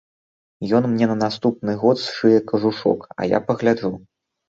Ён мне на наступны год сшые кажушок, а я пагляджу.